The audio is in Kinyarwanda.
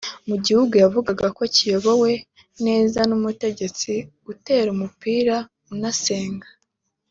mu gihugu yavugaga ko kiyobowe neza n’umutegetsi utera umupira unasenga